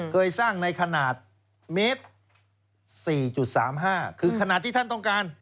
เคยสร้างในขนาดเมตร๔๓๕คือขณะที่ท่านต้องการ